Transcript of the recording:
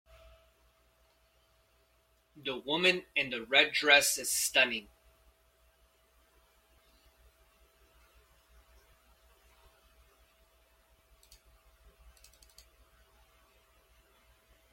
The woman in the red dress is stunning.